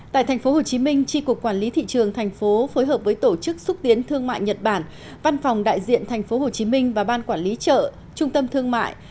tại tp hcm tri cục quản lý thị trường thành phố phối hợp với tổ chức xúc tiến thương mại nhật bản văn phòng đại diện tp hcm và ban quản lý chợ trung tâm thương mại